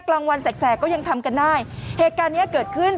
กลางวันแสกแสกก็ยังทำกันได้เหตุการณ์เนี้ยเกิดขึ้น